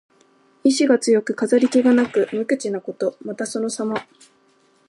意思が強く、飾り気がなく無口なこと。また、そのさま。